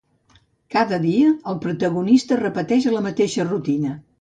Cada dia el protagonista repeteix la mateixa rutina.